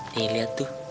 nih lihat tuh